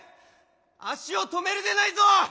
足を止めるでないぞ！